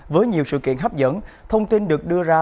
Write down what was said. với nhiều sự kiện hấp dẫn thông tin được đưa ra